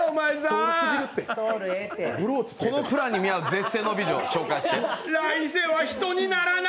このプランに見合う絶世の美女を紹介して。